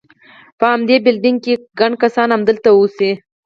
په همدې بلډینګ کې، ګڼ کسان همدلته اوسي.